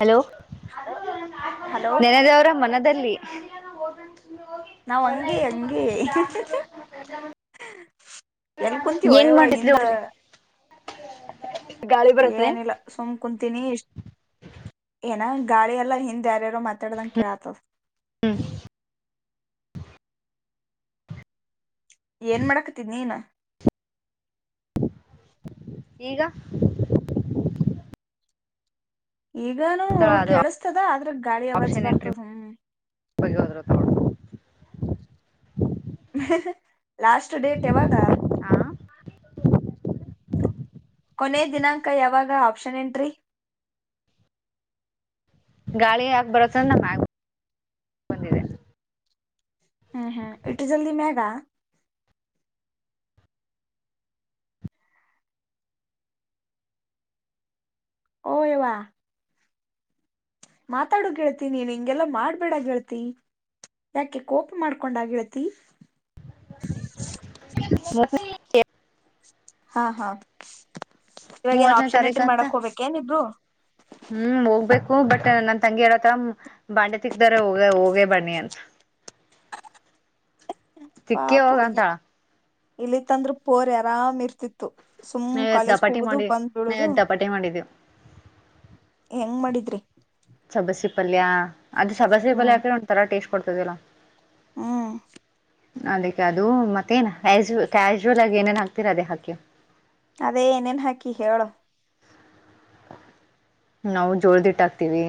Hello hello ನೆನದವರ ಮನದಲ್ಲಿ ಇ ಹ ನಾವ್ ಹಂಗೆ ಅವ ಹಂಗೆ [unintelligible] ಎಲ್ ಕುಂತೀವೋ ಏನ್ ಯವ್ವ ಹಿಂದ ಮಾಡಿದರು್ರ ಏನಿಲ್ಲ ಸುಮ್ ಕುಂತೀನಿ ಇಷ್ಟ ಏನ ಗಾಳಿ ಎಲ್ಲಾ ಹಿಂದ ಯಾರ್ಯಾರು ಮಾತಾಡ್ದಂಗ ಕೇಳತಸ್ ಹ್ಮ ಏನ್ ಮಾಡಾಕತಿ ನೀನು ಈಗ ಈಗಾನೂ ತಳ ಅದು ಕೆೇಳಸ್ತದ ಆದ್ರೆ ಗಾಳಿ ಅವಾಜ ಆಪ್ಷನ್ ಎಂಟ್ರಿ ಬರ್ತದ ಬಗ್ಗೆ ಹೋದ್ರು ತಗೊಳ್ಳಿ ಲಾಸ್ಟ್ ಡೇಟ್ ಯಾವಾಗ ಆ ಕೊನೆ ದಿನಾಂಕ ಯಾವಾಗ ಆಪ್ಷನ್ ಎಂಟ್ರಿ. ಗಾಳಿ ಯಾಕ್ ಬರುತ್ತಂದ ನಮ್ ಬಂದಿದೆ. ಹ್ಮ್ ಹ್ಮ್ ಇಟ್ಟು ಜಲ್ದಿ ಮ್ಯಗ. ಓಯವ. ಮಾತಾಡು ಗೆಳ್ತಿ ನೀನ್ ಹಿಂಗೆಲ್ಲಾ ಮಾಡ್ಬೇಡ ಗೆಳ್ತಿ ಯಾಕೆ ಕೋಪ ಮಾಡ್ಕೊಂಡಾಗಿಳತಿ. [unintelligible] ಹಾ ಹಾ ಇವಾಗ್ ಏನ್ ಮೂವತ್ತನೇ ಆಪ್ಷನ್ ತಾರೀಕು ಎಂಟ್ರಿ ಅಂತ ಮಾಡಕ್ ಹೋಗಬೇಕೇನಿಬ್ರು. ಹ್ಮ್ ಹೋಗ್ಬೇಕು ಬಟ್ ನನ್ ತಂಗಿ ಏಳತಾಳ್ ಬಾಂಡೆ ತಿಕ್ದರೆ ಹೋಗೆ ಹೋಗೇ ಬನ್ನಿ ಅಂತ. [unintelligible] ತಿಕ್ಕಿ ಪಾಪ್ ಹುಡ್ಗಿ ಹೋಗಂತಾಳ. ಇಲ್ಲಿತ್ತಂದ್ರ ಪೋರ್ ಏರಾಮ್ ಇರ್ತಿತ್ತು. ಸುಮ್ ನಾ ಇವತ್ ಕಾಲೇಜ್ಗೆ ದಪಾಟಿ ಹೋಗುದು ಮಾಡಿ ಬಂದ್ ನಾ ಬಿಡುದು ಇವತ್ ದಪಾಟಿ ಮಾಡಿದೀವಿ ಹೆಂಗ್ ಮಾಡಿದ್ ಸಬ್ಬಸಿ ಪಲ್ಯ ಅದ್ ಸಬಸಿ ಹ್ಮ್ ಪಪಲ್ಯಾಕ ಒಂತರ ಟೇಸ್ಟ್ ಕೊಡ್ತದಲ್ಲ. ಹ್ಮ್ ಅದಕ್ಕೆ ಅದು ಮತ್ತೇನ ಕ್ಯಾಸ್ ಕ್ಯಾಶುವಲ್ ಆಗಿ ಏನೇನ್ ಹಕ್ತಿರಾ ಅದೇ ಹಾಕಿನ್. ಅದೇ ಏನೇನ್ ಹಾಕಿ ಹೇಳು. ನಾವು ಜೋಳದ ಇಟ್ಟಾಕ್ತಿವಿ.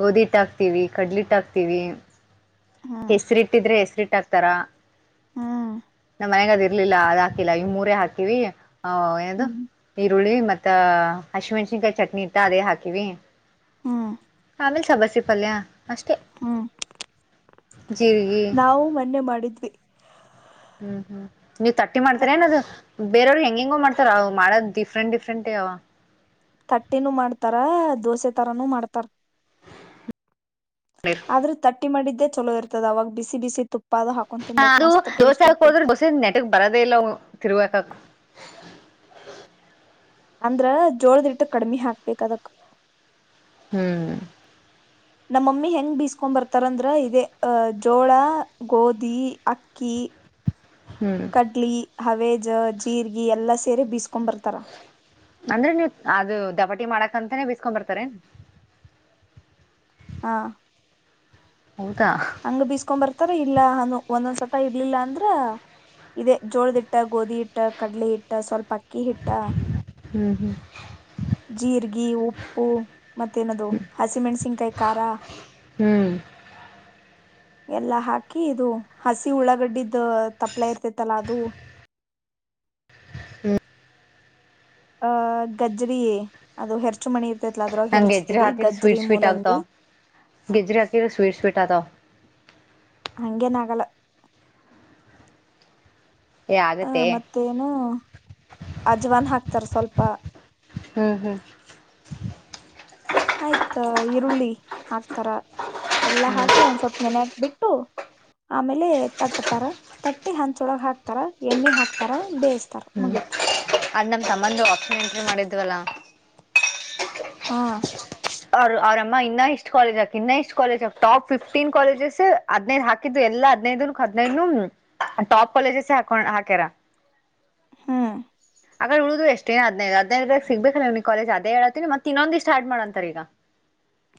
ಗೋಧಿ ಹಿಟ್ಟ ಹಾಕ್ತಿವಿ ಕಡ್ಲಿಟ್ಟ ಹಾಕ್ತಿವಿ ಹ್ಮ್ ಹೆಸ್ರಿಟ್ಟಿದ್ರೆ ಹೆಸ್ರಿಟ್ ಟಸ್ತರ ಹ್ಮ ಮನ್ಯಗದ್ ಇರ್ಲಿಲ್ಲ ಅದ್ ಹಾಕಿಲ್ಲ ಈ ಮೂರೆ ಹಾಕಿವಿ ಹ ಏನದು. ಹ್ಮ್ ಈರುಳ್ಳಿ ಮತ್ತ ಹಸಿಮೆಣ್ಸಿನ್ಕಾಯಿ ಚಟ್ನಿ ಇತ್ತ ಅದೇ ಹಾಕಿವಿ. ಹು ಆಮೇಲ್ ಸಬಸಿ ಪಲ್ಯ ಅಷ್ಟೇ. ಜೀರಿಗೆ ನಾವು ಮನ್ನೆ ಮಾಡಿದ್ವಿ. ಹ್ಮ್ ಹ್ಮ್ ನೀವ್ ತಟ್ಟಿ ಮಾಡ್ತಾರ್ ಏನದು ಬೇರೆಯವ್ರರು ಹೆಂಗ್ ಹೆಂಗೋ ಮಾಡ್ತಾರ ಅವ್ ಮಾಡದ ಡಿಫ್ರೆಂಟ್ ಡಿಫ್ರೆಂಟ್ ಅವ. ತಟ್ಟಿನೂ ಮಾಡ್ತಾರ ದೋಸೆ ತರಾನೂ ಮಾಡ್ತಾರ್. ಆದ್ರೂ ತಟ್ಟಿ ಮಾಡಿದ್ದೆ ಚಲೋ ಇರ್ತದ ಅವಾಗ್ ಬಿಸಿ ಬಿಸಿ ತುಪ್ ಅದು ದೋಸೆ ಹಾಕ್ ಹೋದ್ರೆ ದೋಸೆ ನೆಟಗ್ ಬರೋದೇ ಇಲ್ಲ ತಿರ್ವಕಕ್. [unintelligible] ಅಂದ್ರ ಜೋಳ್ದಿಟ್ಟ ಕಡಿಮೆ ಹಾಕ್ಬೇಕ್ ಅದಕ. ಹ್ಮ್ ನಮ್ಮಮ್ಮಿ ಹೆಂಗ್ ಬೀಸ್ಕೊಂಡ್ ಬರ್ತಾರಂದ್ರ ಇದೇ ಅ ಜೋಳ ಗೋಧಿ ಅಕ್ ಕ್ಕಿ ಹ್ಮ್ ಕಡ್ಲಿ ಹವೇಜ ಜೀರ್ಗಿ ಎಲ್ಲ ಸೇರಿ ಬೀಸಕೊಂಬರ್ತಾರ. ಅಂದ್ರೆ ನೀವು ಅದು ದಪಟಿ ಮಾಡಕಂತಾನೇ ಬಿಸಕೋಂಡ ಬರ್ತಾರೆನ್. ಹಾ ಹೌದಾ ಹಂಗ ಬೀಸ್ಕೋಂ ಬರ್ತಾರ ಇಲ್ಲ ಅನು ಒಂದೊಂದ್ ಸತ್ತ ಇರ್ಲಿಲ್ಲ ಅಂದ್ರ. ಇದೇ ಜೋಳದಿಟ್ಟ ಗೋಧಿ ಹಿಟ್ಟ ಕಡ್ಲೆ ಹಿಟ್ಟ ಸ್ವಲ್ಪ ಅಕ್ಕಿ ಹಿಟ್ಟ. ಹ್ಮ್ ಹ್ಮ್ ಜೀರ್ಗಿ ಉಪ್ಪು ಮತ್ತೇನದು ಹಸಿಮೆಣಸಿನ್ಕಾಯಿ ಖಾರ. ಹ್ಮ್. ಎಲ್ಲಾ ಹಾಕಿ ಇದು ಹಸಿ ಉಳ್ಳಾಗಡ್ಡಿದ್ ತಪ್ಲೆ ಇರ್ತೇತ್ತಲ್ಲಾ ಅದು. [inaudible] ಹ್ಮ. ಅಹ ಗಜ್ರಿ ಅದು ಹೆರ್ಚು ಮಣಿ ಇರ್ತಲ್ಲ ಅದ್ರಾಗ್ ನಂಗ್ ಹೆರ್ಚ್ತೀವಿ ಗಜ್ಜರಿ ಮೂಲಂಗಿ. ಗಿಜರಿ ಹಾಕಿ ಸ್ವೀಟ್ ಸ್ವೀಟ್ ಆತವ್. ಹಂಗೆ ನಗಲ್ಲ. ಏ ಹ ಆಗತ್ತೆ ಮತ್ತೇನು ಅಜ್ವಾನ್ ಹಾಕ್ತಾರ ಸ್ವಲ್ಪ ಹ್ಮ್ ಹಾ ಆಯ್ತ ಈರುಳ್ಳಿ ಹಾಕ್ತಾರ ಎಲ್ಲಾ ಹಾಕಿ ಒಂದ್ ಸ್ವಪ್ ನೆನೆ. ಬಿಟ್ಟು ಆಮೇಲೆ ತಟ್ತಾರ ತಟ್ಟಿ ಹಂಚೊಳಗ್ ಹಾಕ್ತಾರ ಎಣ್ಣೆ ಹಾಕ್ತಾರ ಬೇಯಿಸತಾರ ಮುಗೀತು. ಅದ್ ನಮ್ ಸಂಬಂಧ ಆಪ್ಷನ್ ಎಂಟ್ರಿ ಮಾಡಿದ್ವಲ್ಲ ಹಾ ಅವರು ಅವ್ರ ಅಮ್ಮ ಇನ್ನ ಇಷ್ಟ ಕಾಲೇಜ್ ಆಕ್ ಇನ್ನ ಇಷ್ಟ ಕಾಲಜ್ ಆಾಕ್ ಟಾಪ್ ಫಿಫ್ಟೀನ್ ಕಾಲೇಜಸ್ ಹದ್ ಹಕ್ ಎ ಎಲ್ಲ ಹದ್ದು ಹದ್ನೈದನು ಟಾಪ್ ಕಾಲೇಜಸ ಹಾಕೊಂಡ್ ಹಾಕ್ಯಾರ ಹ್ಮ ಆಗ ಉಳಿದ್ದು ಎಷ್ಟೇನ್ ಹದ್ದುದ್ದಾಗ ಸಿಗ್ಬೇಕಲ್ಲ ನೀವ್ಗೆ ಕಾಲಜ ಅದೇಳ್ತಿನನ ಮತ್ತ ಇನ್ನೊಂದು ಸ್ಟಾರ್ಟ್ ಮಾಡ ಅಂತರ್ ಈಗ.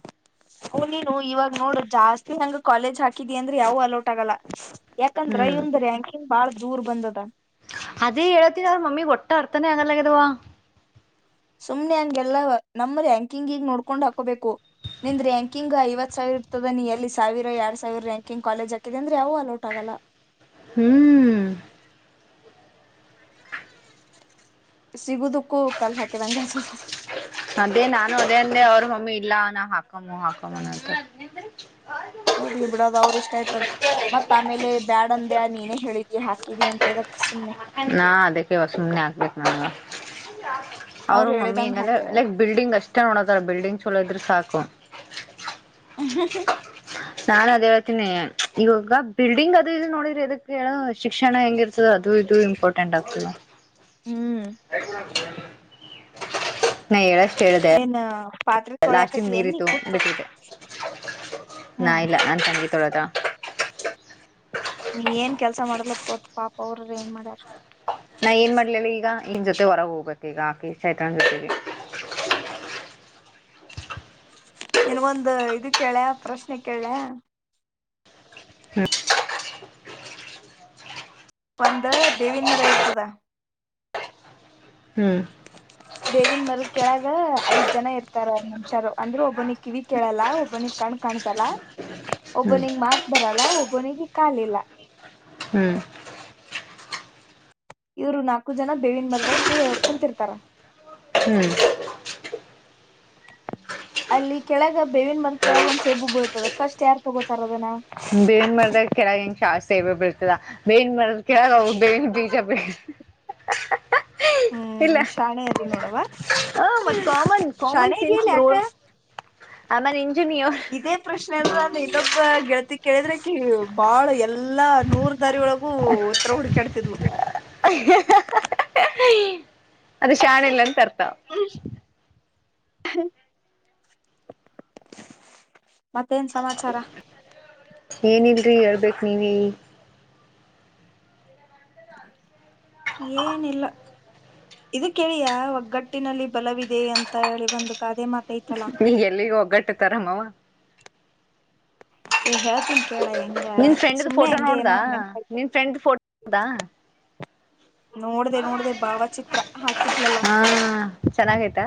[inaudible] ಓ ನೀನು ಇವಾಗ ನೋಡ ಜಾಸ್ತಿ ನಂಗ ಕಾಲೇಜ್ ಹಾಕಿದಿ ಅಂದ್ರೆ ಯಾವ ಅಲೋಟ್ ಆಗಲ್ಲ ಹ್ಮ್ ಯಾಕಂದ್ರಯಂದ್ರೀ ಅಂಕಿಂಗ ಬಾಳ ದೂರ್ ಬಂದದ ಅದೇ ಹೇಳೇತಿರ ಅವ್ರ ಮಮ್ಮಿ ಒಟ್ಟ ಅರ್ಥನೇ ಆಗಲ್ಲಗದವಾ. ಸುಮ್ನೆ ಹಂಗೆಲ್ಲ ನಮ್ರ ಹಂಗ ಹಿಂಗೀಗ್ ನೋಡ್ಕೊಂಡ್ ಹಾಕೋಬೇಕು. ನಿನ ರ್ಯಾಂಕಿಂಗ್ಐವ ಸಾವಿರ ಇರ್ತದ ನೀ ಎಲ್ಲಿಾವಿರಡ್ ಸಾವಿರ ರಂಕಿಂಗ್ಲಜ್ ಹಾಕ ಅಂದ್ರ ಅವು ಅಲೌಟ್ ಆಗಲ್ಲ. ಅಲ. ಹ್ಮ್. ಸಿಗದಕ್ಕೂ ಕಲ್ ಹಾಕಿದಂಗ. ಅದೇ ನಾನು ಅದೇ ಅಂದೆ ಅವ್ರ ಮಮ್ಮಿ ಇಲ್ಲ ಅವನ ಹಾಕಮ್ಮ ಹಾಕಮ್ಮ ಹೋಗ್ಲಿ ಬಿಡದ ಅವ್ರ ಇಷ್ಟ ಆಯ್ತದ. ಮತ್ತತ್ ಆಮೇಲೆ ಬ್ಯಾಡಂದ ನೀನೇ ಹೇಳಿದಿ ಹಾಕಿದಿ ಅಂತ ಅದಕ್ ಸುಮಮ್ಮನೆ. ನಾ ಅದಕ್ಕೆ ಸುಮ್ಮ್ನೆ ಆಗ್ಬೇಕು ನಮಗೆ. ಅವ್ರು ಅವರು ಮಮ್ಮಿ ಹೇಳಿದಂಗ ಹಿಂಗಂದ್ರೆ ಹಾಕ್ಯಾರ ಲೈಕ್ ಬಿಲ್ಡಿಂಗ್ ಅಷ್ಟೇ ನೋಡತಾರ ಬಿಲ್ಡಿಂಗ್ ಚಛಲೋ ಇದ್ರೆ ಸಾಕು. ಹ. ನಾನ್ ಅದ್ ಹೇಳ್ತೀನಿ ಇವಾಗ ಬಿಲ್ಡಿಂಗ್ ಅದು ಇದು ನೋಡಿದ್ರಿ ಅದಕ್ಕೆ ಹೇಳ ಶಿಕ್ಷಣ ಹೆಂಗಿರ್ತದ. ಅದು ಇದು ಇಂಪೋರ್ಟೆಂಟ್ ಆಗ್ತ. ಹ್ಮ್. ನ ಹೇಳಳ. ಏನ. ಲಾಸ್ಟಮ್ ನೀರಿ ಇತ್ತು ಬಿಟ್ಟಿದೆ. ನಾ ಹ್ಮ್ ಇಲ್ಲ ನಾನ್ ಚನಗೆ ತೊಳೋದ. ನೀ ಏನ್ ಕೆಲ್ಸ ಮಾಡ್ಲಕ್ತ್ ಪಾಪ ಅವರರು ಏನ್ ಮಾಡ್ಯಾರ. ನಾ ಏನ್ ಮಾಡ್ಲಿಲ್ಲ ಈಗ ಇನ್ ಜೊತೆ ಹೊರಗೆ ಹೋಗಬೇಕ ಈಗ ಆಾಕಿ ಸೈತನ್ ಜೊತೆಗೆ. ನಿನ್ಗೊಂದು ಇದು ಕೇಳ್ಯಾ ಪ್ರಶ್ನೆ ಕೇಳ್ಯ. ಹ್ಮ್. ಒಂದ ಬೇವಿನ ಮರ ಇರ್ತದ. ಹ್ಮ್. ದೇವನ್ ಮರದ ಕೆೇಳಳಾಗ ಐದ್ ಜನ ಇರ್ತಾರ ಮನುಷ್ಯರು ಅಂದ್ರೆ ಒಬ್ಬನಿ ಕಿವಿ ಕೇಳಲ್ಲ ಒಬ್ಬನಿ ಕ. ಕಾಣಸಲ್ಲ ಹ್ಮ್ ಓಬನಿಂಗ್ ಮಾತ್ ಬರಲ್ಲ ಓಬನಿಂಗ್ ಕಾಲಿಲ್ಲ ಹ್ಮ್ ಇವರು ನಾಲ್ಕು ಜನ ಬೇವಿನ ಮರದ ಕುಂತಿರ್ತಾರ [inaudible] ಹ್ಮ್ ಅಲ್ಲಿ ಕೆಳಗ ಬೇವಿನ ಮರ್ ಕೆಳಗ ಒಂದ್ ಸೇಬು ಬೀಳ್ತದ ಫಸ್ಟ್ ಯಾರ್ ಹೋಗೋತಾರದನಾ. ಬೇನ್ ಮರದ ಕೆಳಗೆ ಹೆಂಗ ಶಾಸ್ ಸೇವೆ ಬೀಳ್ತದ ಬೇಣ ಮರದ ಕೆಳಗ ಬೇವ ಬೀಜ ಇಲ್ಲ ಹ್ಮ್ ಶಾಣೆ ಅಲ್ಲಿ ನೋಡವ ಹ ಮತ್ ಕಾಮನ್ ಕಾಮನ್ ಸೆನ್ಸ್ ಶಾಣೆಗಲಿ ಬ್ರೋ ಯಾಕ ಆಮೇಲೆ ಇಂಜಿನಿಯರ್ ಇದೇ ಪ್ರಶ್ನೆ ಅಲ್ವಾ ಅ ಇ ಗೆಳತಿ ಕೇಳಿದ್ರಕಿ ಬಾಳ ಎಲ್ಲಾ ನೂರ್ ದಾರಿ ಒಳಗೂ ಉರ ಹುಡ್ಕಾಡ್ತಿದ್ವು ಅದು ಶಾಣ ಇಲ್ಲ ಅಂತ ತರ್ತಾವ ಹ್ಮ ಮತ್ತೇನ್ ಸಮಾಚಾರ ಏನಿಲ್ರಿ ಹೇಳ್ಬೇಕೇ ನೀವ ಏನಿಲ್ಲ ಇದು ಕೇಳಿಯಾ ಒಗ್ಗಟ್ಟಿನಲ್ಲಿ ಬಲವಿದೆ ಅಂತ ಹೇಳಿ ಒಂದು ಕಾದೆ ಮಾತ ಇ ನೀಗೆ ಎಲ್ಲಿಗ ಒಗ್ಗಟ್ಟತಾರಮ್ಮವ ಹ ತಿ ಕೇಳ ಹೆಂಗ ನಿನ್ ಫ್ರೆಂಡ್ದ ಸುಮ್ಮ್ನೆ ಫೋಟೋ ಹೆಂಗ ನೋಡ್ದ ಏನು ಅಂಗನ್ ನಿನ್ ಫ್ರೆಂಡ್ ಫೋಟೋ ನೋಡ್ದ ನೋಡ್ದ ನೋಡ್ದ ಭಾವಚಿತ್ರ ಹಾಕಿದ್ಲಲ್ಲ ಹಾ ಚೆನ್ನಾಗೈತಾ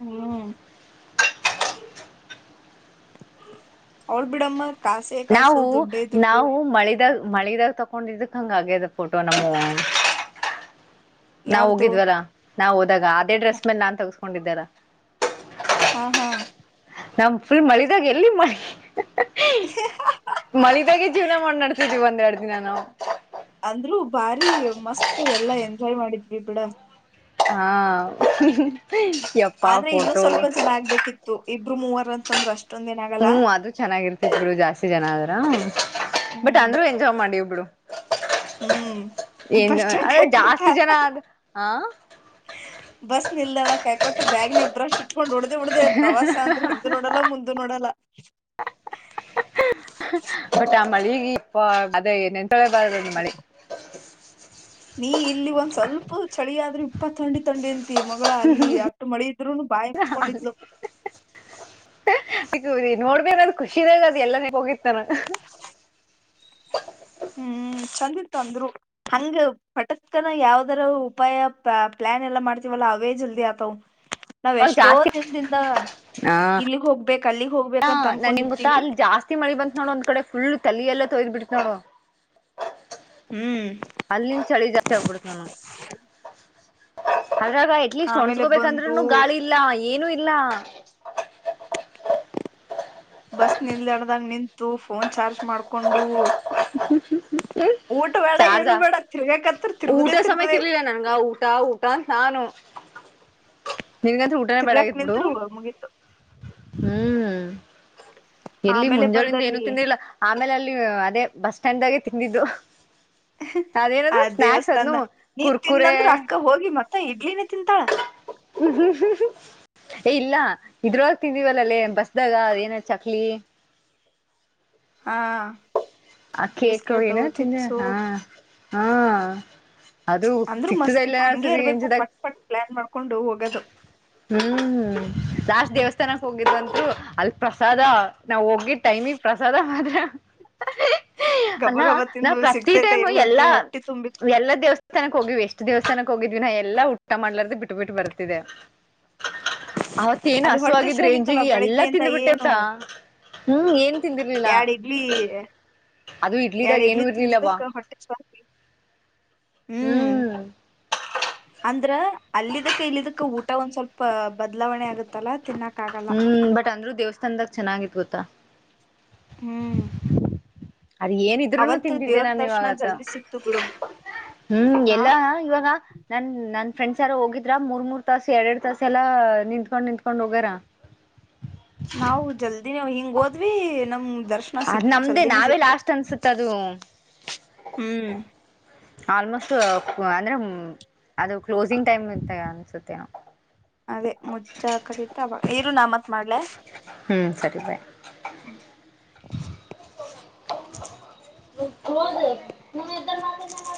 ಹ್ಮ್ ಅವಳ ಬಿಡಮ್ಮರ್ ನಾವು ನಾವು ಮಳಿದಾಗ ಮಳಿದಾಗ ತಕೊಂಡಿದ ಹಂಗ ಆಗ್ಯದ ಫೋಟೋ ನಮ್ಮ ನಾವ ಯಾವ್ದು ಹೋಗಿದ್ವರಾ ನಾವ್ ಇದಾಗ ಅದೇ ಡ್ರೆಸ್ ಮೇಲೆ ನಾನ್ ತಗಸ್ಕೊಂಡಿದ್ದಾರ ಹಾ ಹಾ ನಮ್ ಫುಲ್ ಮಳಿದಾಗ ಎಲ್ಲಿ ಮಾಡಿ ಮಲಿದಾಗೆ ಜೀವ್ನ ಮಾಡಿ ನಡ್ಸಿದೀವಿ ಒಂದ ಎರಡು ದಿನ ನಾವು ಅಂದ್ರು ಭಾರಿ ಮಸ್ತ್ ಎಲ್ಲಾ ಎಂಜಾಯ್ ಮಾಡಿದ್ವಿ ಬಿಿಡ ಹಾ ಯಪ್ಪಾ ಆದ್ರೆ ಇನ್ನುೂ ಫೋಟೋ ಸ್ವಲ್ಪ ಜನ ಆಗ್ಬೇಕಿತ್ತು ಇಬ್ರು ಮೂವರ್ ಅಂತಂದ್ರ ಅಷ್ಟ ಹ್ಮ್ ಅ್ ಚೆನ್ನಾಗಿರ್ತ ಇಬ್ರು ಜಾಸ್ತಿ ಜನ ಆದ್ರ ಬಟ್ ಹ್ಮ್ ಅಂದ್ರು ಎಂಜಾಯ್ ಮಾಡಿ ಒಬ್ರು ಹ್ಮ್ ಅಂದ್ರೆ ಬಷ್ಟಬೇಕುಂತ ಜಾಸ್ತಿ ಜನ ಆದ್ ಹಾ ಬಸ್ ನಿಲ್ದಾಣ ಕಾಯ್ಕೋತ ಬ್ಯಾಗ್ನೆಬ್ರು ಉಕೊಂಡ್ ಉಡ್ದ ಉಡ್ದ ಪ್ರವಾಸ ಅಂದ್ರೆ ಹಿಂದ್ ನೋಡಲ್ಲ ಮುಂದ ನೋಡಲ್ಲ ಬಟ್ ಆ ಮಳಗ ಇಪ್ಪ ಅದೇ ನೆನ್ಂತೊಳೇಬಾರದು ನಿಮ್ಮಳಿ ನೀ ಇಲ್ಲಿ ಒಂದ್ ಸ್ವಲ್ಪ ಚಳಿಿಯಾದ್ರರು ಇಪ್ಪತ್ತು ತೊಂಡಿ ತೊಂಡಿ ತಿ ಮಗಳ ಅಲ್ಲಿ ಅಷ್ಟು ಮಳ ಇದ್ರುನು ಬಾಯಿ ಮುತ್ಕೊಂಡಿದ್ಲು ಸಿಗುದಿ ನೋಡ್ಬಿ ಅನ್ನೋದು್ ಖುಷಿದಾಗ ಅ್ ಎಲ್ಲಾನೇ ಹೋಗಿತ್ತಾನ [inaudible] ಹ ಹ್ಮ್ ಚಂದ ಇತ್ತು ಅಂದ್ರು ಹ ಪಟದಕನ ಯಾವದರ ಉಪಾಯ ಪ್ಲಾನ್ ಎಲ್ಲ ಮಾಡ್ತವ ೇ ಜಲ್ದಿ ಆತವ ನಾವ್ ಅವಾಗ ಎಷ್ಟೋ ಜಾಸ್ತಿ ದಿನದಿಂದ ಹಾ ಇಲ್ಲಿಗ್ ಹೋಗ್ಬೇಕ ಹಾ ನನ್ನ್ ಗೊತ್ತಾ ಅಲ್ಲಿ ಜಾಸ್ತಿ ಮಳಿ ಬಂತ ನೋಡ್ ಒಂದ್ ಕಡೆ ಫುಲ್ ತಲ ಎಲ್ಲ ತೊಯ್ದ್ ಬಿಿಡ್ತ ಹ್ಮ್ ಅಲ್ಲಿಂದ ಚಳಿ ಜಾಸ್ತಿ ಆಗ್ಬಿಡ್ತ ನ ಅದ್ರಾಗ ಅಟ್ ಲೀಸ್ಟ್ ಆಮೇಲೆ ಬಂದು ಹೊಣ್ಸ್ಕೋಬೇಕಂದ್ರೂನು ಗಾಳಿ ಇಾ ಏನು ಇಲಾ ಬಸ್ ನಿಲ್ದಾಡ್ದಾಗ ನಿಂತು ಫೋನ್ ಚಾರ್ಜ್ ಮಾಡ್ಕೊಂಡು ಹ ಹ ಹ್ಮ ಊಟ ಬೇಡ ಏನು ಚಜಾ ಬೇಡ ತಿರ್ಗಾಕತ್ರ ಊಟ ತಿರುಗುದೇ ಸಮಯಕ್ಕೆ ತಿರುಗುದೇ ಇರ್ಲಿಲ್ಲ ನನ್ಗ ಊಟ ಊಟ ಅಂತ ನಾನು ನಿನ್ಗಂತ ಊಟನೇ ತಿರ್ಗಾಕ್ ಬೆ್ಯಾಡಗಿದ ಬಿಿಡು ನಿಂತ್ರು ಮುಗೀತು ಹ್ಮ್ ಎಲ್ಲಿ ಆಮೇಲೆ ಮುಂಜೋಳಿಂದ ಏನು ಬಂದಲ್ಲಿ ತಿಂದಿಲ್ಲ ಆಮೇಲೆ ಅಲ್ಲಿ ಅದೇ ಬಸ್ ಸ್ಟ್ಯಾಂಡ್್ದಾಗೆ ತಿಂದಿದ್ದು ಆ ಅದೇನದು ಸ್ನಾಕ್ಸ್ ಅದ್ನು ದೇವಸ್ಥಾಾನ ನೀನ್ ಕುರ್ಕುರೆ ತಿನ್ನಂದ್ರರು ಅಕ್ಕ ಹೋಗಿ ಮಕ್ಕ ಮ ಇಡ್ಲಿನೇ ತಿಂತಾಳ ಹ್ಮ ಹ್ಮ ಹ್ಮ ಏ ಇಲ್ಲ ಇದ್ರೊಳಗೆ ತಿಂದಿವವಲ್ಲ ಅಲ್ಲೇ ಬಸ್್ದಾಗ ಏನ ಚಕ್ಲಿ ಹಾ ಆ ಕೇಕ್ ಬಿಸ್ಕೆಟು ಏನೋ ತಿಂದೆ ಚಿಪ್ಸು ಹಾ ಹಾ ಅದು ಅಂದ್ರು ಸಿಕ್ತದ ಮಸ್ತ್ ಇಲ್ಲ ಇತ್ ಹಂಗೆ ಸರಿ ಇರ್ಬೇಕು ಎಂಜಡಗ ಪಟ್ ಪಟ್ ಪ್ಲಾನ್ ಮಾಡ್ಕೊಂಡು ಹೋಗೋದು ಹ್ಮ್ ದಾಸ್ ದೇವಸ್ ತನಕ್ ಹೋಗಿದಂತು ಅಲ್ಲಿ ಪ್ರಸಾದ ನಾವು ಹೋಗಿದ್ ಟೈಮಿಗೆ ಪ್ರಸಾದ ಮಾಡ್ ಹಿ ಹಿ ಗಬ ಅಲ್ಲ ಗಬ ನಾ ತಿಂದು ಪ್ರತಿ ಸಿಗ್ತೈತೆ ಟೈಮ್ ಇಲ್ಲ ಅಂತ ಎಲ್ಲಾ ಹೊಟ್ಟೆ ತುಂಬಿತ್ತು ಎಲ್ಲಾ ದೇವಸ್ಥಾನಕ್ಕೆ ಹೋಗ್ವಿ ಎಷ್ಟ್ ದೇವಸ್ಥಾನಕ್ ಹೋಗಿದ್ವಿನ್ ಎಲ್ಲಾ ಊಟ ಮಾಡ್ಲಾರದೆ ಬಿಟ್ಟು ಬಿಟ್ಟು ಬರ್ತಿದೆ ಅವತೇನ್ ಅಲ್ಲಿ ಹೊಟ್ಟೆ ಹಸಿವು ಹಸವಾಗಿದ್ರೆ ಆಗಿತ್ತಲ್ಲ ರೇಂಜಿಗೆ ಎಲ್ಲಾ ಬೆಳಿಗ್ಗೆಯಿಂದ ತಿಂದ್ಬಿಟ್ಟೆ ಏನು ಹ್ಮ್ ಏನ್ ತಿಂದಿರ್ಲಿಲ್ಲ ಎರಡ್ ಇಡ್ಲಿ ಅದು ಎರಡ್ ಇಡ್ಲಿದಾಗ ಏನೂ ಇಡ್ಲಿ ಇರ್ಲಿಲ್ಲವಾ ತಿಂದಿದ್ದಕ್ಕ ಹೊಟ್ಟೆ ಹಸಿವು ಆಗಿ ಹ್ಮ್ ಅಂದ್ರೆ ಅಲ್ಲಿದ್ದಕ್ಕೆ ಇಲ್ಲಿದಕ್ಕೂ ಊಟ ಒಂದ್ ಸ್ವಲ್ಪ ಬದಲಾವಣೆ ಆಗುತ್ತಲ್ಲಾ ತಿನ್ನಾಕ್ ಹ್ಮ್ ಬಟ್ ಅಂದ್ರೂ ದೇವಸ್ಥಾನದಾಗ ಚೆನ್ನಾಗಿತ್ ಗೊತ್ತ ಹ್ಮ್ ಅದು ಏನಿದ್ರುನೂ ಅವತ್ತು ತಿಂತಿದ್ದೆ ದೇವ್ರ ನಾನ್ ದರ್ಶನ ಇವಾಗತ್ತ ಜಲ್ದಿ ಸಿಕ್ತು ಬಿಡು ಹ್ಮ್ ಆ ಎಲ್ಲಾ ಇವಾಗ ನನ್ ನ ಫ್ರೆಂಡ್ಸ್ ಯಾರು ಹೋಗಿದ್ರ ಮೂರ್ ಮೂರ್ ತಾಸ ಎರಡೆರಡ್ ತಾಸ ಎಲ್ಲಾ ನಿಂತ್ಕೊಂಡ್ ನಿಂತ್ಕೊಂಡ್ ಹೋಗಾರ ನಾವು ಜಲ್ದಿನ್ ಹಿಂಗ್ ಹೋದ್ವಿ ನಮ್ ದರ್ಶನ ಅದ್ ಸಿಕ್ತು ನಮ್ದೇ ಜಾಲ್ದಿನೇ ನಾವೇ ಸಿಗ್ತು ಲಾಸ್ಟ್ ಅನ್ಸುತ್ತ ಅದು ಹ್ಮ್ ಆಲ್ಮೋಸ್ಟ್ ಅಂದ್ರೆ ಅದು ಕ್ಲೋಸಿಂಗ್ ಟೈಮ್ ಇತ ಅನ್ಸುತ್ತೆ ನಾ ಅದೇ ಮುಚ್ಚಾಕದಿತ್ತು ಅವ ಇರು ನಾ ಮತ್ ಮಾಡ್ಲ ಹ್ಮ್ ಸರಿ ಬಾಯ್ ಎದ್ದು ಹೋಗ್ ನೀ ಇದಾಗ